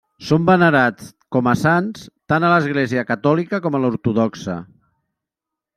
Són venerats com a sants tant a l'església catòlica com a l'ortodoxa.